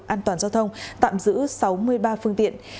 an toàn giao thông tạm giữ sáu mươi ba phương tiện